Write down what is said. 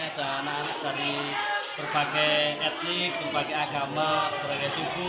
ada anak anak dari berbagai etnik berbagai agama berbagai suku